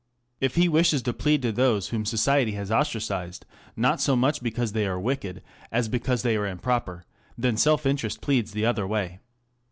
If he wishes to plead for those whom society has ostracized not so much because they are wicked as because they are improper, then self interest pleads the other way.